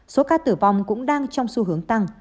số ca tử vong cũng đang trong xu hướng tăng